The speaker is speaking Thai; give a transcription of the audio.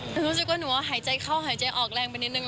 รู้สึกว่าหนูว่าหายใจเข้าหายใจออกแรงไปนิดนึง